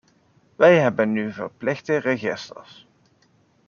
Wij hebben nu verplichte registers.